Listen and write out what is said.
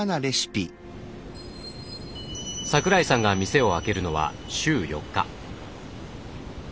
桜井さんが店を開けるのは週４日。